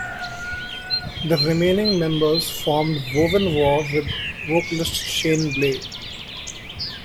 The remaining members formed Wovenwar with vocalist Shane Blay.